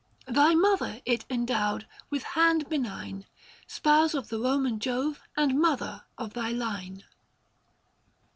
Thy mother it endowed, with hand benign, Spouse of the Koman Jove and mother of thy line.